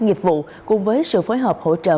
nghiệp vụ cùng với sự phối hợp hỗ trợ